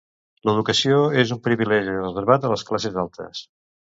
L'educació és un privilegi reservat a les classes altes.